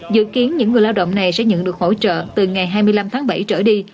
dự kiến những người lao động này sẽ nhận được hỗ trợ từ ngày hai mươi năm tháng bảy trở đi